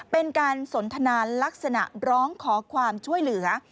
เป็นการสนทนาลักษณะร้องขอความช่วยเหลือ